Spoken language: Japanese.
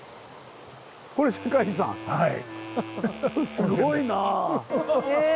すごいなあ！